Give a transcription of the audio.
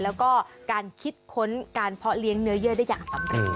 แล้วก็การคิดค้นการเพาะเลี้ยงเนื้อเยื่อได้อย่างสำเร็จ